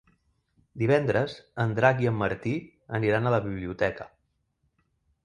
Divendres en Drac i en Martí aniran a la biblioteca.